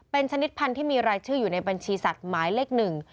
เป็นชนิดพันธุ์ที่มีรายชื่ออยู่ในบัญชีสัตว์หมายเลขหนึ่ง